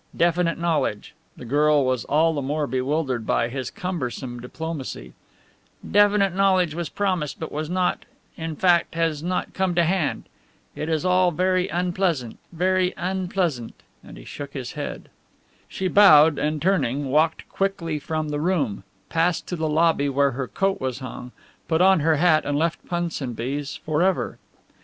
Definite knowledge" (the girl was all the more bewildered by his cumbersome diplomacy) "definite knowledge was promised but has not in fact, has not come to hand. It is all very unpleasant very unpleasant," and he shook his head. She bowed and turning, walked quickly from the room, passed to the lobby where her coat was hung, put on her hat and left Punsonby's for ever.